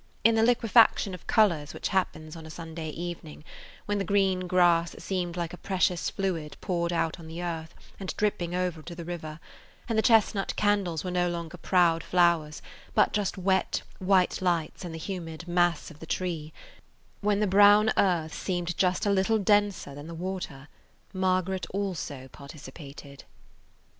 In the liquefaction of colors which happens on a summer evening, when the green grass seemed like a precious fluid poured out on the earth and dripping over to the river, and the chestnut candles were no longer proud flowers, but just wet, white lights [Page 70] in the humid mass of the tree, when the brown earth seemed just a little denser than the water, Margaret also participated.